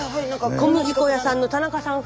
小麦粉屋さんの田中さん